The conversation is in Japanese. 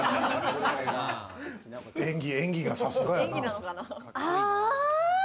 演技がさすがやな。